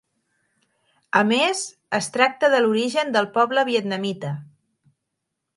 A més, es tracta de l'origen del poble vietnamita.